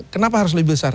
kenapa harus lebih besar